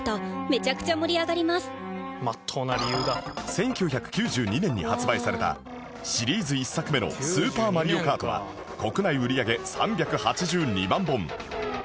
１９９２年に発売されたシリーズ１作目の『スーパーマリオカート』は国内売上３８２万本